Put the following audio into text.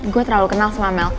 gue terlalu kenal sama melk